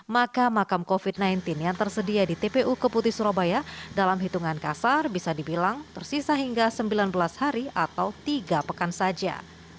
maka makam covid sembilan belas yang tersedia di tpu keputi surabaya dalam hitungan kasar bisa dibilang tersisa hingga sembilan belas hari atau tiga pekan saja